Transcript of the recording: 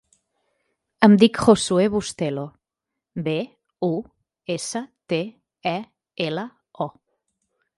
Em dic Josuè Bustelo: be, u, essa, te, e, ela, o.